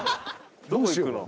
どこ行くの？